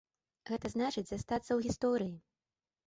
Гэта значыць, застацца ў гісторыі.